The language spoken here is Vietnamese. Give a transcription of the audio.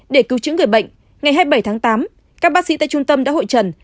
để cứu chữa người bệnh ngày hai mươi bảy tháng tám các bác sĩ tại trung tâm đã hội trần